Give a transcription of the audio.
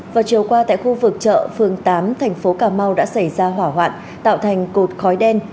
vào chiều qua tại khu vực chợ phường tám thành phố cà mau đã xảy ra hỏa hoạn tạo thành cột khói đen